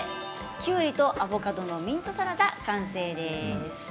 きゅうりとアボカドのミントサラダ完成です。